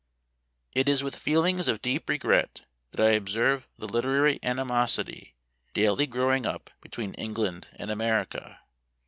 IT is with feelings of deep regret that I observe the literary animosity daily growing up between England and America.